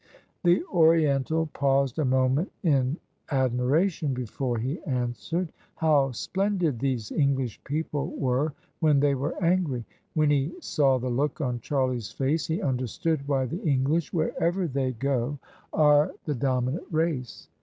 The Oriental paused a moment in admiration before he answered. How splendid these English people were when they were angry! When he saw the look on Charlie's face he vmderstood why the English, wherever they go, are [ 300 ] OF ISABEL CARNABY the dominant race.